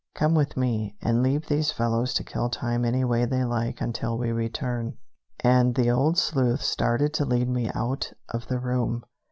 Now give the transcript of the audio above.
Come with me, and leave these fellows to kill time any way they like until we return." And the old sleuth started to lead me out of the room.